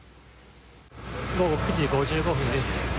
午後９時５５分です。